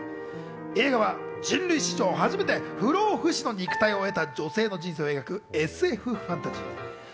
映画は人類史上初めて不老不死の肉体を得た女性の人生を描くＳＦファンタジー。